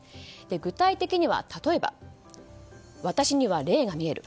具体的には例えば私には、霊が見える。